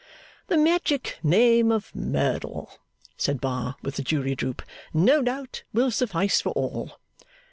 'The magic name of Merdle,' said Bar, with the jury droop, 'no doubt will suffice for all.